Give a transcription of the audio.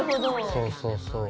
そうそうそう。